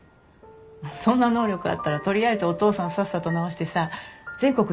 そんな能力あったら取りあえずお父さんさっさと治してさ全国の病院回るよね。